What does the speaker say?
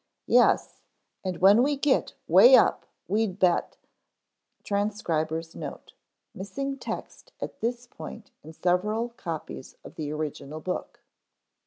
"Yes, and when we get way up we'd bet [Transcriber's note: missing text at this point in several copies of the original book.